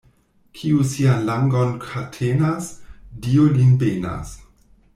Kiu sian langon katenas, Dio lin benas.